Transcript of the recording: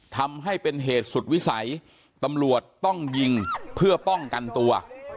ทำให้เป็นเหตุสุดวิสัยตำรวจต้องยิงเพื่อป้องกันตัว